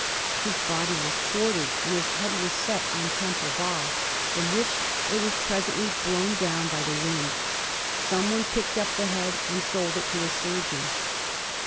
His body was quartered and his head was set on Temple Bar, from which it was presently blown down by the wind. Someone picked up the head and sold it to a surgeon.